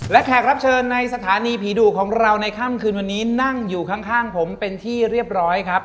และแขกรับเชิญในสถานีผีดุของเราในค่ำคืนวันนี้นั่งอยู่ข้างผมเป็นที่เรียบร้อยครับ